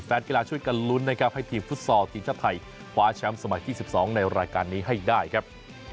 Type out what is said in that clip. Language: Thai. กีฬาช่วยกันลุ้นนะครับให้ทีมฟุตซอลทีมชาติไทยคว้าแชมป์สมัยที่๑๒ในรายการนี้ให้ได้ครับ